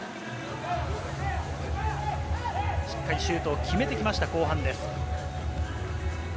しっかりシュートを決めてきました、後半です。